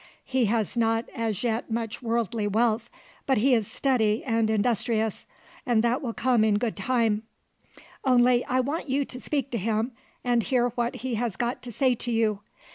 He has not as yet much worldly wealth, but he is steady and industrious, and that will come in good time; only I want you to speak to him, and hear what he has got to say to you.